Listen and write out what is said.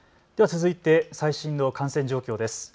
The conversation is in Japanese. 続いて最新の感染状況です。